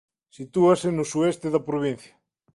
Sitúase no sueste da provincia.